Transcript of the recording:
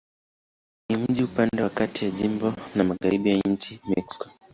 Ni mji upande wa kati ya jimbo na magharibi ya nchi Mexiko.